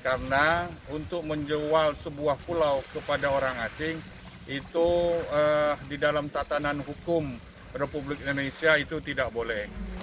karena untuk menjual sebuah pulau kepada orang asing itu di dalam tatanan hukum republik indonesia itu tidak boleh